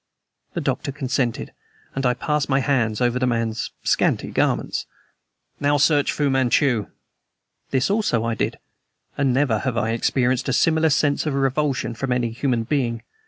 The Doctor consented; and I passed my hands over the man's scanty garments. "Now search Fu Manchu." This also I did. And never have I experienced a similar sense of revulsion from any human being.